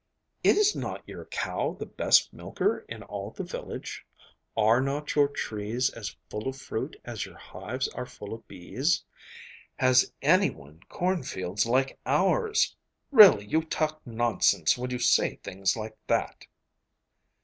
'Is not your cow the best milker in all the village? Are not your trees as full of fruit as your hives are full of bees? Has anyone cornfields like ours? Really you talk nonsense when you say things like that!